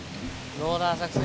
ローラー作戦。